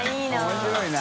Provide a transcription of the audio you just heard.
面白いな。